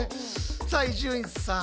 さあ伊集院さん。